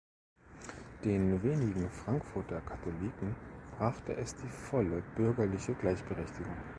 Den wenigen Frankfurter Katholiken brachte es die volle bürgerliche Gleichberechtigung.